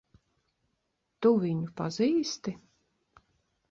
Tu viņu pazīsti?